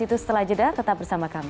itu setelah jeda tetap bersama kami